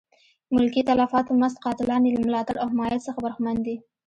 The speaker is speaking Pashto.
ملکي تلفاتو مست قاتلان یې له ملاتړ او حمایت څخه برخمن دي.